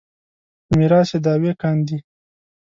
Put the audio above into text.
په میراث یې دعوې کاندي.